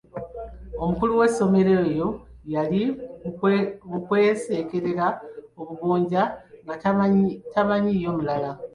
Omukulu w'essomero oyo yali mu kwekeserera obugonja tamanyiiyo mulala.